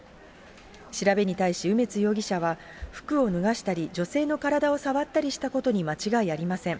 調べに対し梅津容疑者は、服を脱がしたり、女性の体を触ったりしたことに間違いありません。